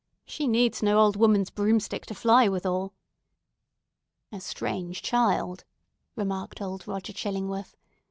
"She needs no old woman's broomstick to fly withal!" "A strange child!" remarked old Roger Chillingworth.